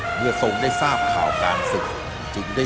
การเภคภิกษาสรุปวันเวลาพวกน้าพลาดสงสัตว์